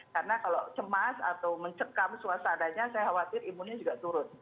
karena kalau cemas atau mencekam suasananya saya khawatir imunnya juga turun